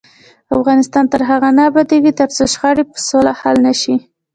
افغانستان تر هغو نه ابادیږي، ترڅو شخړې په سوله حل نشي.